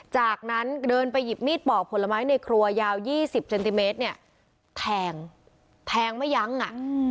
จากนั้นเดินไปหยิบมีดปอกผลไม้ในครัวยาว๒๐เซนติเมตรเนี่ยแทงแทงไม่ยั้งอ่ะ